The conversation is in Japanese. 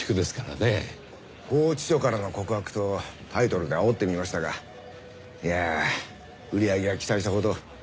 「拘置所からの告白」とタイトルであおってみましたがいやあ売り上げは期待したほど。